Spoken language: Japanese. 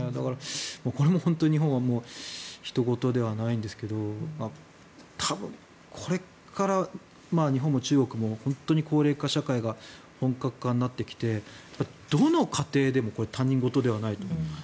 これも本当に日本はひと事ではないんですけど多分、これから日本も中国も本当に高齢化社会が本格化になってきてどの家庭でも他人事ではないと思う。